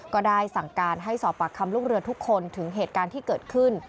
ก็ได้สั่งการให้สอบปากคำลูกเรือทุกคนถึงเหตุการณ์ที่เกิดขึ้น